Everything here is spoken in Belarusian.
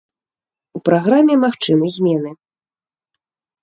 У праграме магчымы змены.